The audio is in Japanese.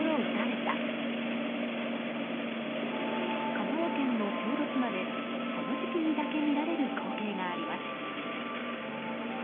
香川県の小豆島でこの時期にだけ見られる光景があります。